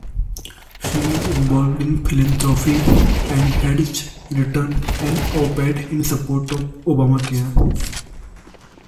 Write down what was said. She is involved in philanthropy, and has written an op-ed in support of Obamacare.